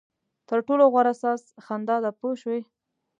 تر ټولو غوره ساز خندا ده پوه شوې!.